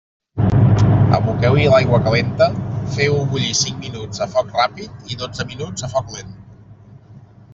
Aboqueu-hi l'aigua calenta, feu-ho bullir cinc minuts a foc ràpid i dotze minuts a foc lent.